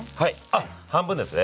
あっ半分ですね。